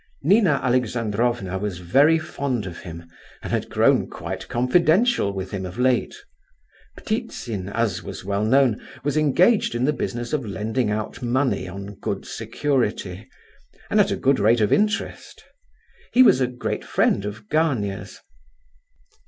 Nina Alexandrovna was very fond of him, and had grown quite confidential with him of late. Ptitsin, as was well known, was engaged in the business of lending out money on good security, and at a good rate of interest. He was a great friend of Gania's.